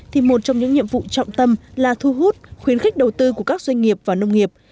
thì một trong những nhiệm vụ trọng tâm là thu hút khuyến khích đầu tư của các doanh nghiệp và nông nghiệp